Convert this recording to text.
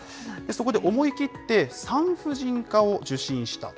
そこで思い切って、産婦人科を受診した。